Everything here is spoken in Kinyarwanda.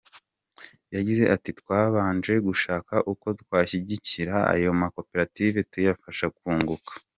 Yagize ati “ Twabanje gushaka uko twashyigikira ayo makoperative tuyafasha kunguka.